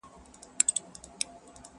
هم لقمان مي ستړی کړی هم اکسیر د حکیمانو،